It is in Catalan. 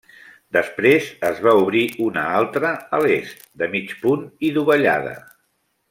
Després es va obrir una altra a l'est, de mig punt i dovellada.